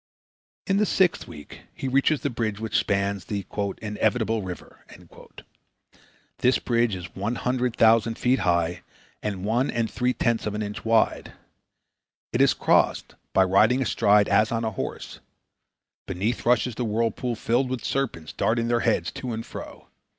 In the sixth week he reaches the bridge which spans the "Inevitable River." This bridge is 100,000 feet high and one and three tenths of an inch wide. It is crossed by riding astride as on a horse. Beneath rushes the whirl pool filled with serpents darting their heads to and fro.